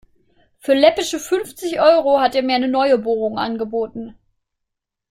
Für läppische fünfzig Euro hat er mir eine neue Bohrung angeboten.